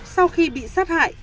sau khi bị sát hại